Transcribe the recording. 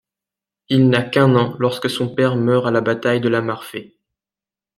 Il n'a qu'un an lorsque son père meurt à la bataille de la Marfée.